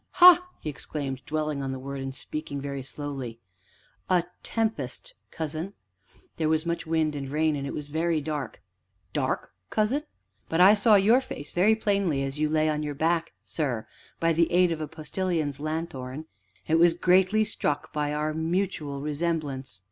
"Ha!" he exclaimed, dwelling on the word, and speaking very slowly, "a tempest, cousin?" "There was much wind and rain, and it was very dark." "Dark, cousin?" "But I saw your face very plainly as you lay on your back, sir, by the aid of a Postilion's lanthorn, and was greatly struck by our mutual resemblance."